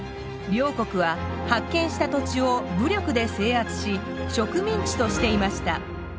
両国は発見した土地を武力で制圧し植民地としていました。